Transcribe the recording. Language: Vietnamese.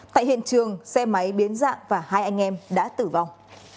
tại hiện trường xe máy biến dạng và hai anh em đã tử vong